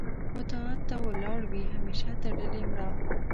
و طاعت و ته ولاړ وي همېشه تړلې ملا